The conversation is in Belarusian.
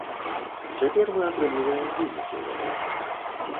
Цяпер мы атрымліваем вынікі гэтага.